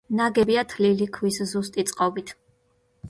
ნაგებია თლილი ქვის ზუსტი წყობით.